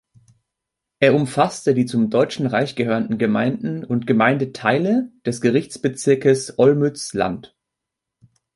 Er umfasste die zum Deutschen Reich gehörenden Gemeinden und Gemeindeteile des Gerichtsbezirkes Olmütz-Land.